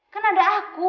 kan ada aku